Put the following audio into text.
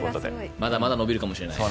まだまだ伸びるかもしれない。